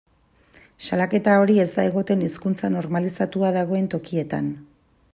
Salaketa hori ez da egoten hizkuntza normalizatuta dagoen tokietan.